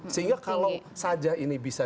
sehingga kalau saja ini bisa